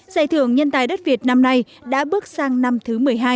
giải thưởng nhân tài đất việt năm nay đã bước sang năm thứ một mươi hai